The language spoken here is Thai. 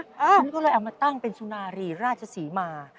ฉันก็เลยเอามาตั้งเป็นสุนารีราชศรีมา